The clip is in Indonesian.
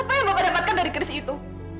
apa yang bapak dapatkan dari keris itu